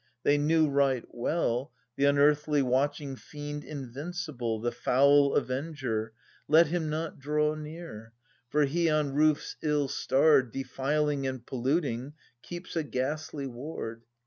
, They knew right well «i?.'^^ Th' unearthly watching fiend invincible, The foul avenger — let him not draw near ! For he, on roofs ill starred. Defiling and polluting, keeps a ghastly ward